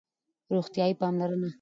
روغتیایی پاملرنه